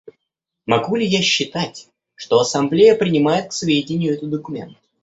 Могу ли я считать, что Ассамблея принимает к сведению этот документ?